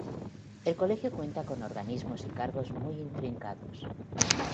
El Colegio cuenta con organismos y cargos muy intrincados.